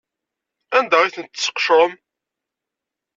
Anda ay tent-tesqecrem?